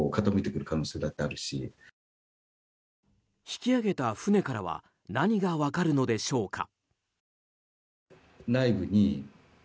引き揚げた船からは何が分かるのでしょうか。